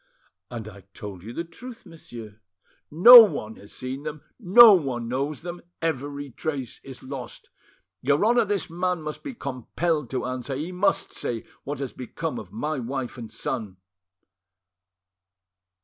"And I told you the truth, monsieur." "No one has seen them, no one knows them; every trace is lost. Your Honour, this man must be compelled to answer, he must say what has become of my wife and son!"